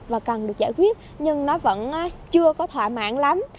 và cần được giải quyết nhưng nó vẫn chưa có thỏa mãn lắm